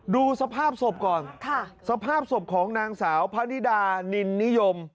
ดูสภาพศพก่อนสภาพศพของนางสาวพระนิดานินนิยม